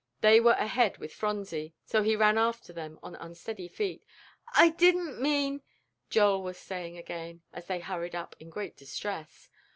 They were ahead with Phronsie, so he ran after them on unsteady feet. "I didn't mean " Joel was saying again, as they hurried up in great distress.